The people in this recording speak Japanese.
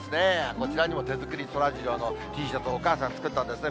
こちらにも手作りそらジローのＴシャツ、お母さん作ったんですね。